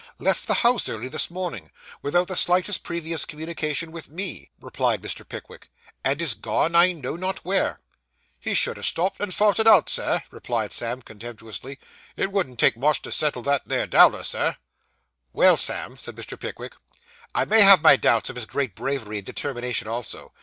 'Left the house early this morning, without the slightest previous communication with me,' replied Mr. Pickwick. 'And is gone, I know not where.' 'He should ha' stopped and fought it out, Sir,' replied Sam contemptuously. 'It wouldn't take much to settle that 'ere Dowler, Sir.' 'Well, Sam,' said Mr. Pickwick, 'I may have my doubts of his great bravery and determination also.